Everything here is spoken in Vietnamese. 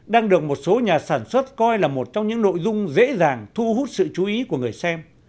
đang được một số nhà sản xuất coi là một trong những nội dung dễ dàng thu hút sự chú ý của người xem